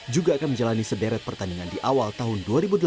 juga akan menjalani sederet pertandingan di awal tahun dua ribu delapan belas